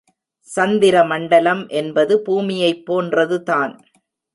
சந்திர மண்டலம் என்பது பூமியைப் போன்றது தான்.